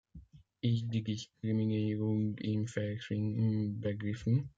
Ist die Diskriminierung im Verschwinden begriffen?